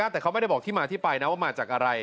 แต่เขาไม่ได้บอกที่มาที่ไปนะว่ามาจากอะไร